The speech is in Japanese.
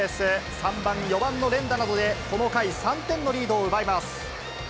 ３番、４番の連打などで、この回、３点のリードを奪います。